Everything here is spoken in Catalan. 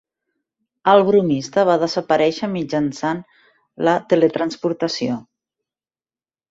El bromista va desaparèixer mitjançant la teletransportació.